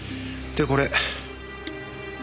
でこれ。